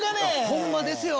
ホンマですよ。